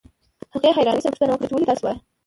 هغې حيرانۍ سره پوښتنه وکړه چې ولې داسې وايئ.